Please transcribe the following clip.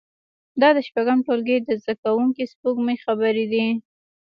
دا د شپږم ټولګي د زده کوونکې سپوږمۍ خبرې دي